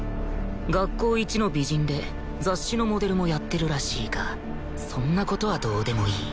学校イチの美人で雑誌のモデルもやってるらしいがそんな事はどうでもいい